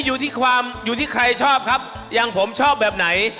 ประกาศนะครับตอนนี้นะครับ